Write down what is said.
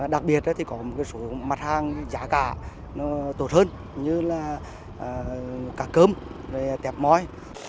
đặc biệt có một số mặt hàng giá cả tốt hơn như là cả cơm tẹp môi